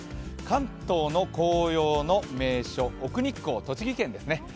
関東の紅葉の名所、奥日光、栃木県ですね。